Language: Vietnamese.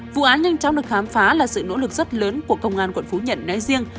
vụ án nhanh chóng được khám phá là sự nỗ lực rất lớn của công an quận phú nhuận nói riêng